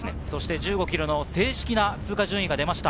１５ｋｍ、正式な通過順位が出ました。